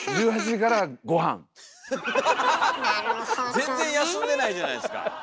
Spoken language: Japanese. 全然休んでないじゃないですか。